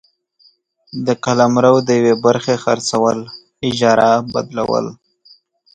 د قلمرو د یوې برخي خرڅول ، اجاره ، بدلول،